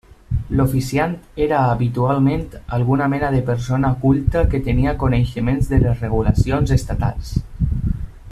L'oficiant era habitualment alguna mena de persona culta que tenia coneixement de les regulacions estatals.